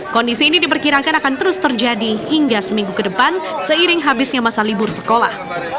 kondisi ini diperkirakan akan terus terjadi hingga seminggu ke depan seiring habisnya masa libur sekolah